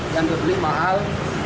yang berbeli mahal